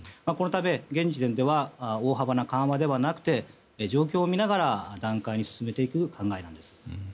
このため、現時点では大幅な緩和ではなくて状況を見ながら段階的に進めていく考えです。